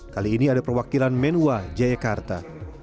kali ini ada perwakilan menua jayakarta